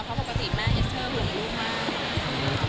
เพราะปกติแม่เอสเตอร์หลงรูปมาก